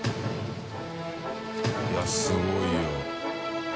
いすごいよ。